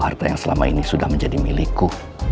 harta yang selama ini sudah menjadi milikku